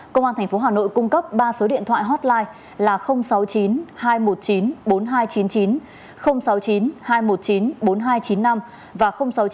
công an thành phố hà nội cung cấp ba số điện thoại hotline là sáu mươi chín hai trăm một mươi chín bốn nghìn hai trăm chín mươi chín sáu mươi chín hai trăm một mươi chín bốn nghìn hai trăm chín mươi năm và sáu mươi chín hai trăm một mươi chín bốn nghìn hai trăm chín mươi sáu